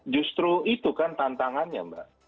justru itu kan tantangannya mbak